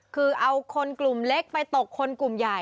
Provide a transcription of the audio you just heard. คือเอาคนกลุ่มเล็กไปตกคนกลุ่มใหญ่